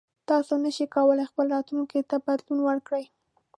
تاسو نشئ کولی خپل راتلونکي ته بدلون ورکړئ.